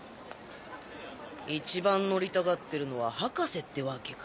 一番乗りたがってるのは博士ってわけか。